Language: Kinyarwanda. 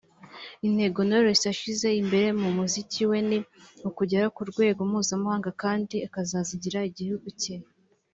Intego Knowless ashyize imbere mu muziki we ni ukugera ku rwego mpuzamahanga kandi akazagirira igihugu cye